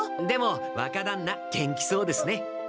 でもわかだんな元気そうですね。